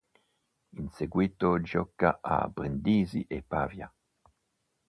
In seguito gioca a Brindisi e Pavia.